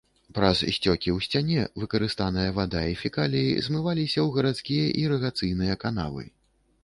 Праз сцёкі ў сцяне выкарыстаная вада і фекаліі змываліся ў гарадскія ірыгацыйныя канавы.